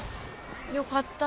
よかった。